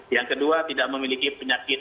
yang kedua tidak memiliki penyakit